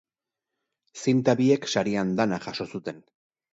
Zinta biek sari andana jaso zuten.